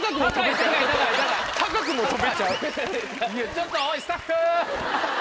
ちょっとおいスタッフ。